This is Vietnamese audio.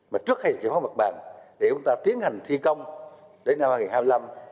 mà trước khi giải phóng mặt bằng để chúng ta tiến hành thi công đến năm hai nghìn hai mươi năm